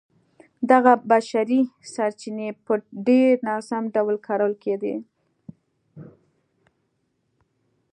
دغه بشري سرچینې په ډېر ناسم ډول کارول کېدې.